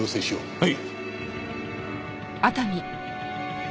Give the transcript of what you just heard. はい！